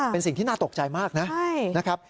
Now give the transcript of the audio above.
เป็นสิ่งที่น่าตกใจมากนะครับ